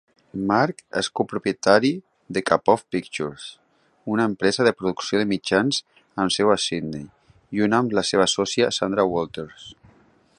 Mark és copropietari de Kapow Pictures, una empresa de producció de mitjans amb seu a Sydney, junt amb la seva sòcia Sandra Walters.